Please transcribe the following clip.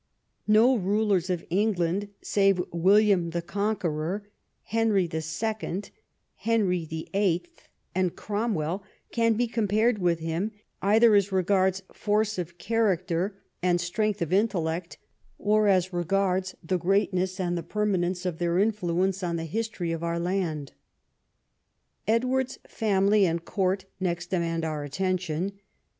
No rulers of England save William the Conqueror, Henry II., Henry VIIL, and Cromwell, can be compared with him, either as regards force of character and 76 EDWARD I chap. strength of intellect, or as regards the greatness and the permanence of their influence on the history of our land. Edward's family and court next demand our attention.